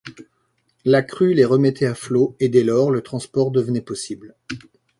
La crue les remettait à flot et dès lors, le transport devenait possible.